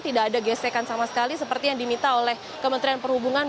tidak ada gesekan sama sekali seperti yang diminta oleh kementerian perhubungan